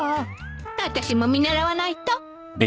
あたしも見習わないと